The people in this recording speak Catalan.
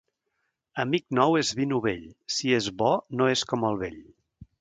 Amic nou és vi novell. Si és bo no és com el vell.